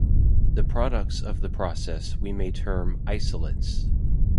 The products of the process we may term isolates.